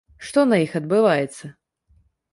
Што на іх адбываецца?